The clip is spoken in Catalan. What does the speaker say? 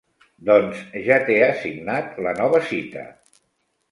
Doncs ja t'he assignat la nova cita.